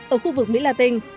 ở khu vực mỹ la tinh